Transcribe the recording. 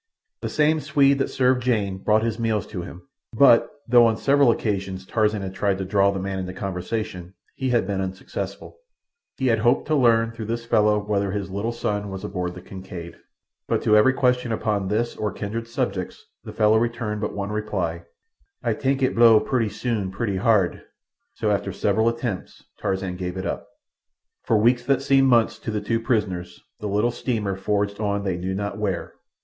The same Swede that served Jane brought his meals to him, but, though on several occasions Tarzan had tried to draw the man into conversation, he had been unsuccessful. He had hoped to learn through this fellow whether his little son was aboard the Kincaid, but to every question upon this or kindred subjects the fellow returned but one reply, "Ay tank it blow purty soon purty hard." So after several attempts Tarzan gave it up. For weeks that seemed months to the two prisoners the little steamer forged on they knew not where.